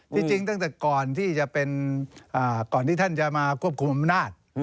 จริงตั้งแต่ก่อนที่จะเป็นก่อนที่ท่านจะมาควบคุมอำนาจ